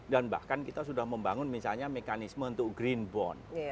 dan bahkan kita sudah membangun misalnya mekanisme untuk green financing